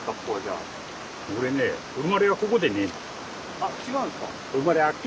あっ違うんですか？